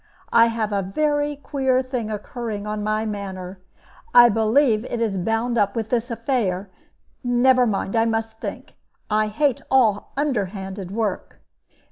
I have a very queer thing occurring on my manor I believe it is bound up with this affair never mind; I must think I hate all underhanded work."